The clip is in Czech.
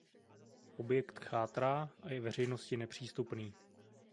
Objekt chátrá a je veřejnosti nepřístupný.